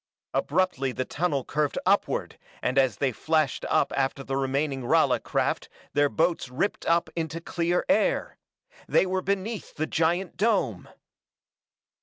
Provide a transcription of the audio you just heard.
Abruptly the tunnel curved upward and as they flashed up after the remaining Rala craft their boats ripped up into clear air! They were beneath the giant dome!